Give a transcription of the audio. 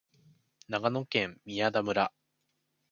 長野県宮田村